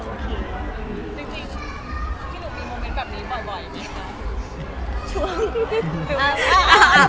จริงพี่หนุ่มมีโมเมนต์แบบนี้บ่อยไหมคะ